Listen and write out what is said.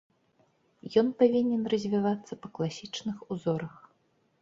Ён павінен развівацца па класічных узорах.